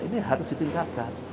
ini harus ditingkatkan